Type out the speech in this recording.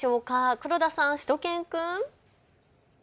黒田さん、しゅと犬くん。